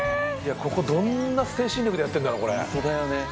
どんな精神力でやってんだろうこれ。